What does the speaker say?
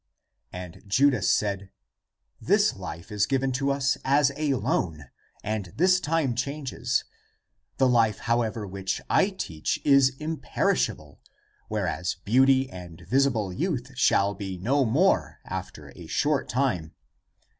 And Judas said, " This life is given to us as a loan, and this time changes. The life, however, which I teach is imperishable, whereas beauty and visible youth shall be no more 330 THE APOCRYPHAL ACTS after a short time."